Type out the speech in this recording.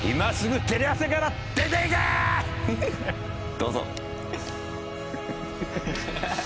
どうぞ。